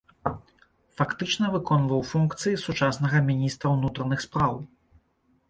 Фактычна выконваў функцыі сучаснага міністра ўнутраных спраў.